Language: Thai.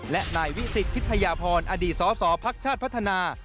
และนายวิสิตพิทยาพรอดีตสสพักชาติพัฒนา